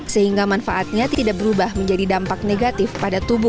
sehingga manfaatnya tidak berubah menjadi dampak negatif pada tubuh